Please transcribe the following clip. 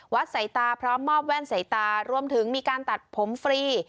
สายตาพร้อมมอบแว่นใส่ตารวมถึงมีการตัดผมฟรี